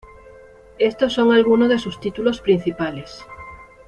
Estos son algunos de sus títulos principales.